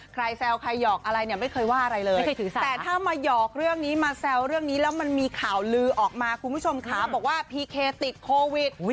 แซวใครหยอกอะไรเนี่ยไม่เคยว่าอะไรเลยแต่ถ้ามาหยอกเรื่องนี้มาแซวเรื่องนี้แล้วมันมีข่าวลือออกมาคุณผู้ชมขาบอกว่าพีเคติดโควิด